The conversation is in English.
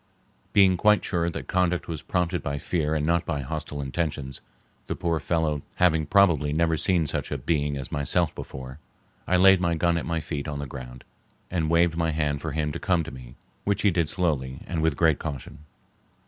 Being quite sure that conduct was prompted by fear and not by hostile intentions, the poor fellow having probably never seen such a being as myself before, I laid my gun at my feet on the ground and waved my hand for him to come to me, which he did slowly and with great caution.